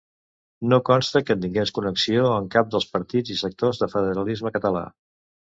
No consta que tingués connexió amb cap dels partits i sectors del federalisme català.